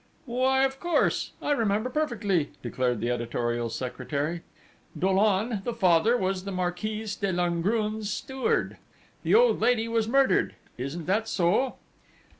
"Why, of course! I remember perfectly!" declared the editorial secretary: "Dollon, the father, was the Marquise de Langrune's steward!... The old lady who was murdered!... Isn't that so?"